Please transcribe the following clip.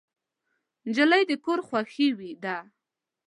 نجلۍ د کور خوښي ده.